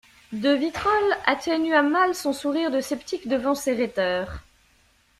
De Vitrolles atténua mal son sourire de sceptique devant ces rhéteurs.